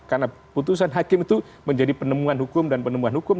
karena putusan hakim itu menjadi penemuan hukum dan penemuan hukum